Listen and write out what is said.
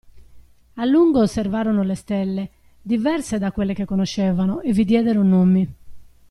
A lungo osservarono le stelle, diverse da quelle che conoscevano, e vi diedero nomi.